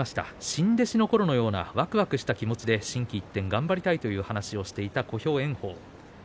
新弟子のころのようなわくわくとした気持ちで心機一転頑張りたいと話していた炎鵬です。